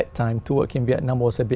khi tôi đến hà nội